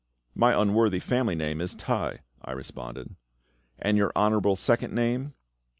"My unworthy family name is Tai," I responded. "And your honourable second name?"